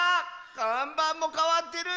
かんばんもかわってる！